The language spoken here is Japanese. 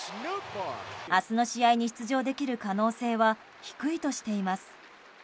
明日の試合に出場できる可能性は低いとしています。